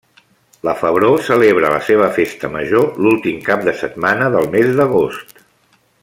La Febró celebra la seva festa major l'últim cap de setmana del mes d'agost.